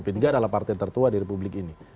p tiga adalah partai tertua di republik ini